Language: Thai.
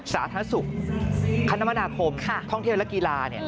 สาธารณสุขคมนาคมท่องเที่ยวและกีฬา